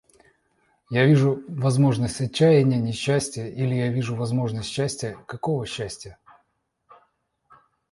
Я вижу возможность отчаяния, несчастия... или я вижу возможность счастья, какого счастья!..